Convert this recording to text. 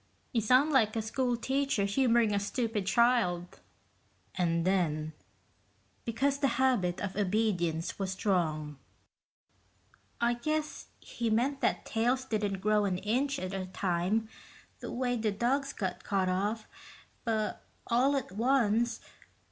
"You sound like a school teacher humoring a stupid child." And then, because of the habit of obedience was strong, "I guess he meant that tails didn't grow an inch at a time, the way the dog's got cut off, but all at once